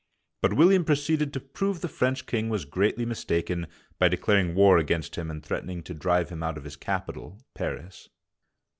But Wil liam proceeded to prove the French king was greatly mistaken by de claring war against him and threatening to drive him out of his capital, Paris.